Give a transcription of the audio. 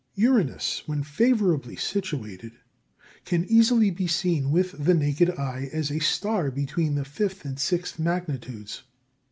Uranus, when favourably situated, can easily be seen with the naked eye as a star between the fifth and sixth magnitudes.